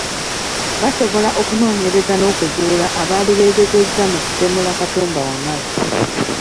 Basobola okunoonyereza n’okuzuula abaali beegezezza mu kutemula Katumba Wamala.